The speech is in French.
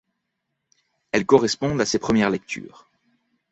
Elles correspondent à ses premières lectures.